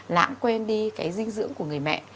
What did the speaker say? lãng quên đi cái dinh dưỡng của người mẹ